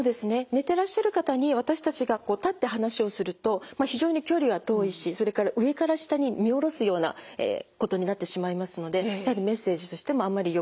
寝てらっしゃる方に私たちがこう立って話をすると非常に距離が遠いしそれから上から下に見下ろすようなことになってしまいますのでやはりメッセージとしてもあんまりよくない。